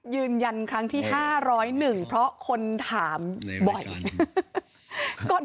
ยืนยันครั้งที่๕๐๑เพราะคนถามบ่อย